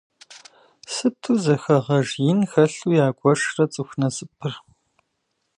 Сыту зэхэгъэж ин хэлъу ягуэшрэ цӏыху насыпыр.